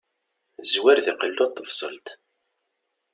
Zwir deg qellu n tebṣelt.